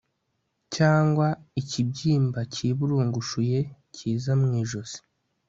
cyangwa ikibyimba kiburungushuye kiza mu ijosi